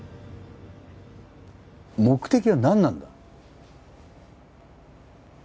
目的は何なんだ？